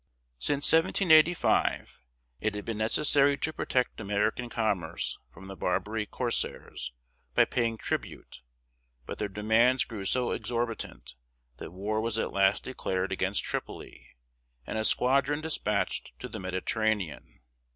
Since 1785 it had been necessary to protect American commerce from the Barbary corsairs by paying tribute, but their demands grew so exorbitant that war was at last declared against Tripoli, and a squadron dispatched to the Mediterranean.